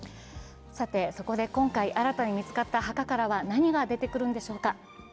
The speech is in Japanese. そこで今回新たに見つかった墓からは何が出てくるのでしょうか。